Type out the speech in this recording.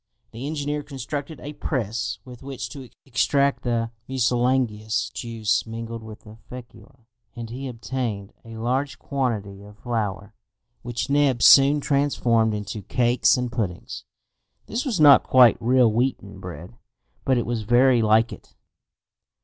The engineer constructed a press, with which to extract the mucilaginous juice mingled with the fecula, and he obtained a large quantity of flour, which Neb soon transformed into cakes and puddings. This was not quite real wheaten bread, but it was very like it.